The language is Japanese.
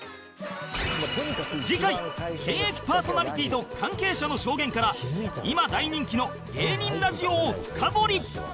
次回現役パーソナリティと関係者の証言から今大人気の芸人ラジオを深掘り